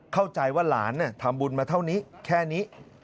เข้าใจว่าหลานทำบุญมาเท่านี้แค่นี้